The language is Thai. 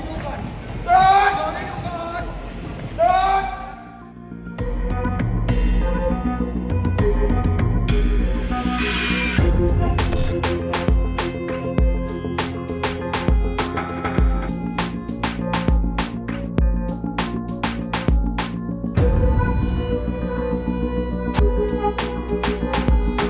มึงขี้หาตลาดกับพี่เองทีแล้วหรือล่ะ